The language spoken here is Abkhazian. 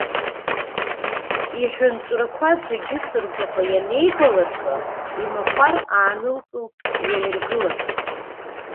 Иҳәынҵәрақәа зегьы ыҵарбаҟа ианеибалыркы, имахәар аанылкылт дҩалыргыларц.